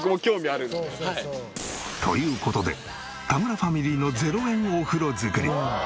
という事で田村ファミリーの０円お風呂作り。